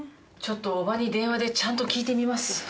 ちょっと伯母に電話でちゃんと聞いてみます。